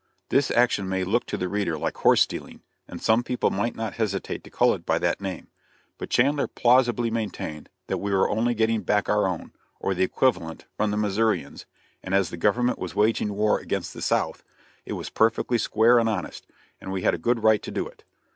This action may look to the reader like horse stealing, and some people might not hesitate to call it by that name; but Chandler plausibly maintained that we were only getting back our own, or the equivalent, from the Missourians, and as the government was waging war against the South, it was perfectly square and honest, and we had a good right to do it.